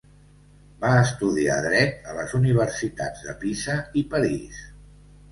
Va estudiar Dret a les Universitats de Pisa i París.